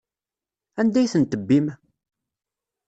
Anda ay ten-tebbim?